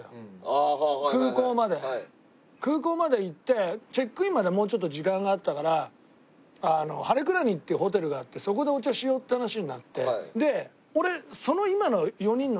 空港まで行ってチェックインまでもうちょっと時間があったからあのハレクラニっていうホテルがあってそこでお茶しようっていう話になって。